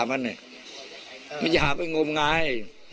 ไม่อยากไปงงาย